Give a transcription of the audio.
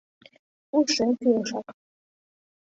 Ушем кӱлешак.